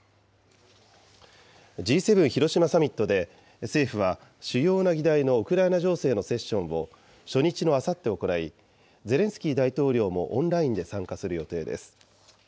Ｇ７広島サミットで、政府は主要な議題のウクライナ情勢のセッションを、初日のあさって行い、ゼレンスキー大統領もオンラインで参加する予定です。